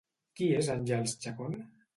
Qui és Àngels Chacón?